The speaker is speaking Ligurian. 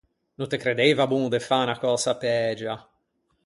No te creddeiva bon de fâ unna cösa pægia.